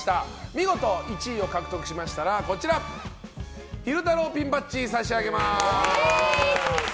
見事１位を獲得しましたら昼太郎ピンバッジを差し上げます。